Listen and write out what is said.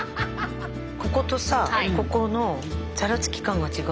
こことさここのザラつき感が違うの。